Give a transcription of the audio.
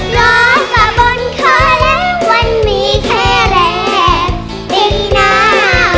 รอก็บนคาแล้ววันมีแค่แรงอีกหน้า